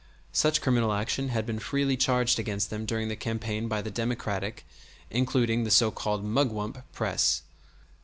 Such criminal action had been freely charged against them during the campaign by the Democratic (including the so called mugwump) press.